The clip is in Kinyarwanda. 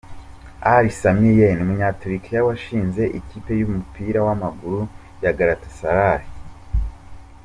Ali Sami Yen, umunyaturukiya washinze ikipe y’umupira w’amaguru ya Galatasaray S.